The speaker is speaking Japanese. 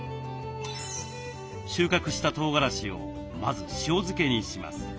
収穫したとうがらしをまず塩漬けにします。